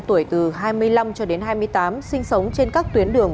tuổi từ hai mươi năm hai mươi tám sinh sống trên các tuyến đường